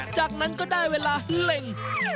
จากนั้นก็ได้เวลาเล็ง